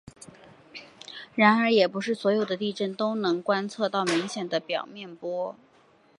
然而也不是所有地震都能观测到明显的表面波。